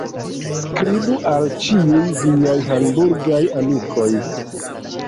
Skribu al ĉiuj viaj Hamburgaj amikoj.